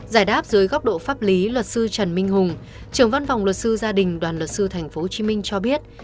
giải đáp dưới góc độ pháp lý luật sư trần minh hùng trưởng văn phòng luật sư gia đình đoàn luật sư tp hcm cho biết